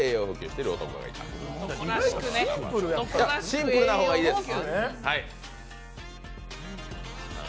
シンプルな方がいいです。